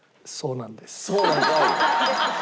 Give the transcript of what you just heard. そうなんかい！